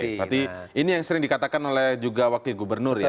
berarti ini yang sering dikatakan oleh juga wakil gubernur ya